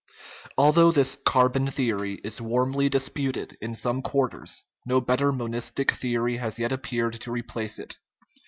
Although this " carbon theory " is warmly disputed in some quarters, no better monistic theory has yet appeared to replace it.